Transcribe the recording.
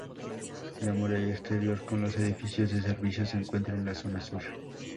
La muralla exterior con los edificios de servicios se encuentra en la zona sur.